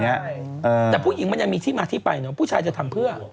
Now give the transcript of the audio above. แต่ผู้หญิงมันยังมีที่มาที่ไปเนอะผู้ชายจะทำเพื่อ